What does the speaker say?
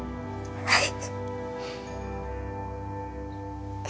はい。